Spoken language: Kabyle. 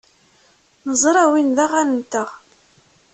Neẓra win d aɣan-nteɣ.